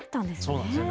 そうなんですね。